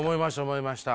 思いました。